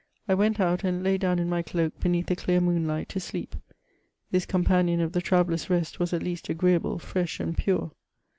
I went out, and lay down in my cloak beneath the clear moonlight to sleep; this companion of the traveller's rest was at least agree able, fresh, and pure.